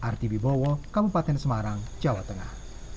rtb bowo kabupaten semarang jawa tengah